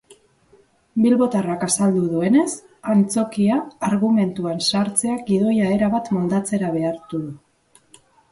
Bilbotarrak azaldu duenez, antzokia argumentuan sartzeak gidoia erabat moldatzera behartu du.